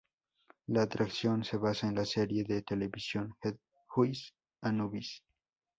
La atracción se basa en la serie de televisión, Het Huis Anubis.